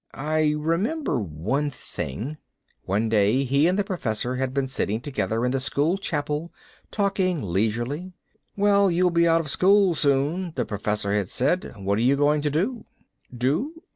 "I remember one thing...." One day he and the Professor had been sitting together in the school chapel, talking leisurely. "Well, you'll be out of school, soon," the Professor had said. "What are you going to do?" "Do?